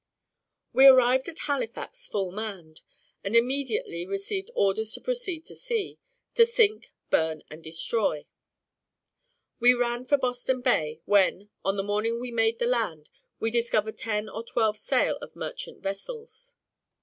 We arrived at Halifax full manned, and immediately received orders to proceed to sea, "to sink, burn, and destroy." We ran for Boston bay, when, on the morning we made the land, we discovered ten or twelve sail of merchant vessels.